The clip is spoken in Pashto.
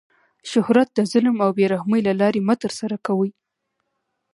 شهرت د ظلم او بې رحمۍ له لاري مه ترسره کوئ!